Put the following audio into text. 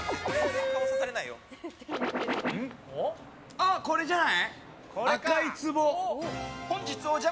あっ、これじゃない？